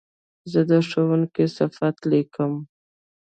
زه د ښوونکي صفت لیکم.